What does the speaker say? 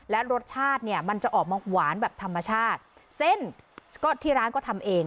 และรสชาติเนี่ยมันจะออกมาหวานแบบธรรมชาติเส้นก็ที่ร้านก็ทำเอง